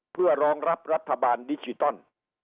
เพื่อรองรับรัฐบาลดิจิตอล